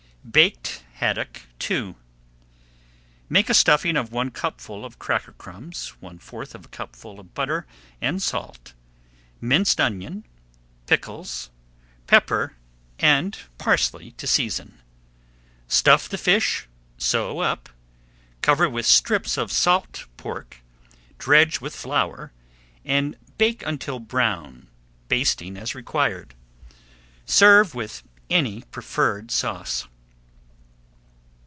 BAKED HADDOCK II Make a stuffing of one cupful of cracker crumbs, one fourth of a cupful of butter, and salt, minced onion, pickles, pepper, and parsley to season. Stuff the fish, sew up, cover with strips of salt pork, dredge with flour, and bake until brown, basting as required. Serve with any preferred sauce.